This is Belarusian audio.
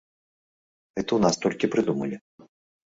Гэта ў нас толькі прыдумалі.